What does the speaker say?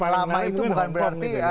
lama itu bukan berarti